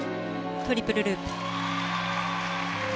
トリプルループ。